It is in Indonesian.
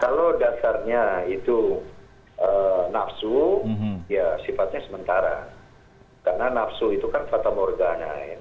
kalau dasarnya itu nafsu ya sifatnya sementara karena nafsu itu kan fata morgana